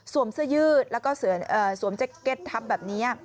เสื้อยืดแล้วก็สวมแจ็คเก็ตทับแบบนี้